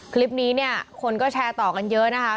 คลิปนี้เนี่ยคนก็แชร์ต่อกันเยอะนะคะ